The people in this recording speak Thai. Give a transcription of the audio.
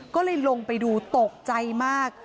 ก็เลยลงไปดูตกใจมาก